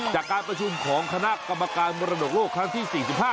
จากการประชุมของคณะกรรมการมรดกโลกครั้งที่๔๕